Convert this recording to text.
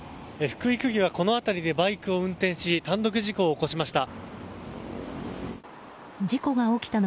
福井区議はこの辺りでバイクを運転し単独事故を起こしました。